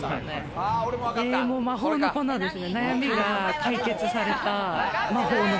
魔法の粉ですね。